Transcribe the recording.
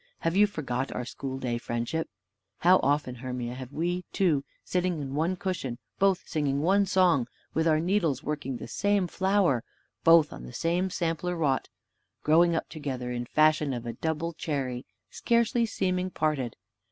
Have you forgot our school day friendship? How often, Hermia, have we two, sitting on one cushion, both singing one song, with our needles working the same flower, both on the same sampler wrought; growing up together in fashion of a double cherry, scarcely seeming parted!